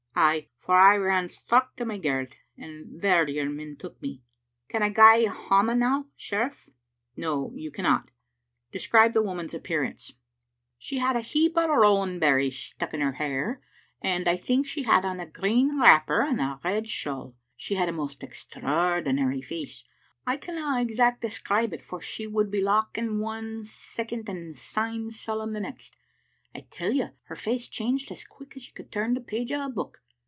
" Ay, for I ran straucht to my garret, and there your men took me. Can I gae hame now, sheriff?" " No, you cannot. Describe the woman's appearance. " Digitized by VjOOQ IC S8 XShc xmie Ainidter. " She had a heap o' rowan berries stuck in her hair, and, I think, she had on a green wrapper and a red shawl. She had a most extraordinary face. I canna exact describe it, for she would be lauchin' one second and syne solemn the next. I tell you her face changed as quick as you could turn the pages o' a book.